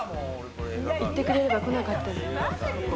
言ってくれれば来なかったのに。